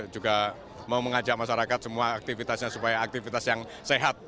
juga mau mengajak masyarakat semua aktivitasnya supaya aktivitas yang sehat